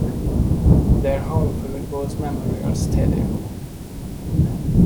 Their home field was Memorial Stadium.